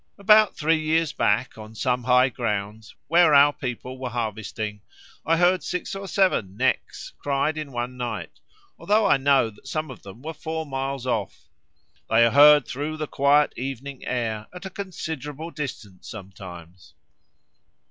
About three years back, on some high grounds, where our people were harvesting, I heard six or seven 'necks' cried in one night, although I know that some of them were four miles off. They are heard through the quiet evening air at a considerable distance sometimes."